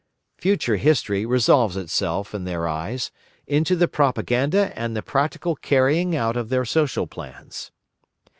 Future history resolves itself, in their eyes, into the propaganda and the practical carrying out of their social plans.